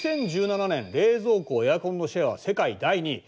２０１７年冷蔵庫・エアコンのシェアは世界第２位。